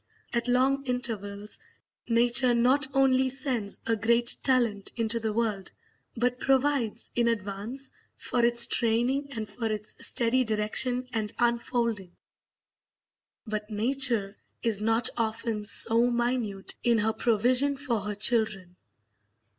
At long intervals Nature not only sends a great talent into the world, but provides in advance for its training and for its steady direction and unfolding; but Nature is not often so minute in her provision for her children.